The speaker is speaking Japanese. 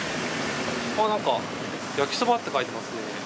あっなんかやきそばって書いてますね。